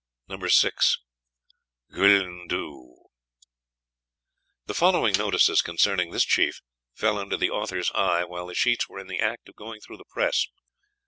No. VI GHLUNE DHU. The following notices concerning this Chief fell under the Author's eye while the sheets were in the act of going through the press.